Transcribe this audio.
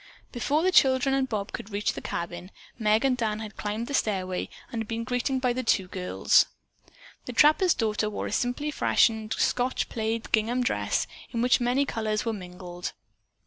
Before the children and Bob could reach the cabin, Meg and Dan had climbed the stairway and had been greeted by the two girls. The trapper's daughter wore a simply fashioned Scotch plaid gingham dress in which many colors were mingled.